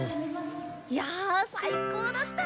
いやあ最高だったね。